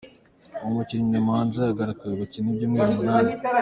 Umukinnyi Nemanja yahagaritswe gukina ibyumweru Umunani